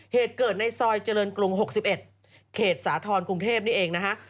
เหตุเกิดในซอยเจริญกรุง๖๑เขตสาธรณ์กรุงเทพนี่เองนะฮะ